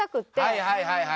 はいはいはいはい。